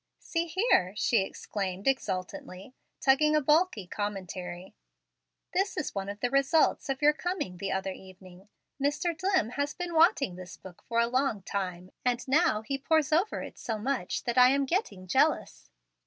"See here," she exclaimed exultantly, tugging a bulky commentary; "this is one of the results of your coming the other evening. Mr. Dlimm has been wanting this book a long time, and now he pores over it so much that I am getting jealous."